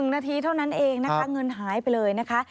นาทีเท่านั้นเองนะคะเงินหายไปเลยนะคะ